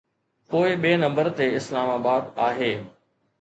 پوءِ ٻئي نمبر تي اسلام آباد آهي.